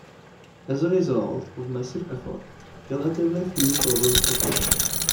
As a result of massive effort, relatively few problems occurred.